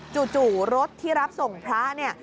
จู่รถที่รับส่งพระเนี่ย